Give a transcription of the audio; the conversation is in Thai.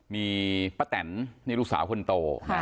มีป้าแตนนี่ลูกสาวคนโต